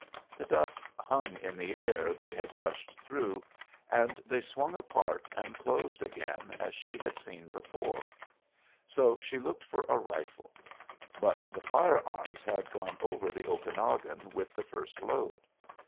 The dust hung in the air they had rushed through, and they swung apart and closed again as she had seen before; so she looked for a rifle; but the firearms had gone over the Okanagon with the first load.